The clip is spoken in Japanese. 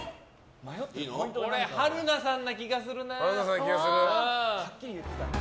春菜さんな気がするな。